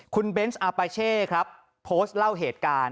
คุณเบนส์อาปาเช่ครับโพสต์เล่าเหตุการณ์